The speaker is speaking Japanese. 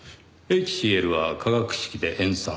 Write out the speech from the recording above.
ＨＣｌは化学式で塩酸。